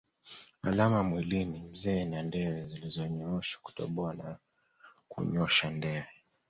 Alama mwilini mzee na ndewe zilizonyooshwa Kutoboa na kunyosha ndewe